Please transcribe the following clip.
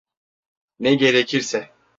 Ne gerekirse.